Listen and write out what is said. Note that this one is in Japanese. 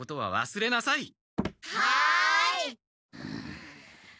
はい！